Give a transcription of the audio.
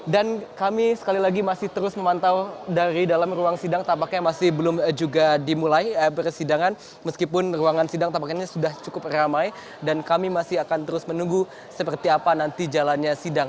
dan kami sekali lagi masih terus memantau dari dalam ruang sidang tapaknya masih belum juga dimulai persidangan meskipun ruangan sidang tapaknya sudah cukup ramai dan kami masih akan terus menunggu seperti apa nanti jalannya sidang